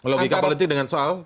logika politik dengan soal